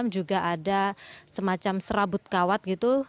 juga ada semacam serabut kawat gitu